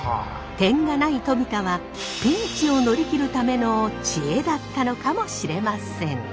点がない冨田はピンチを乗り切るための知恵だったのかもしれません。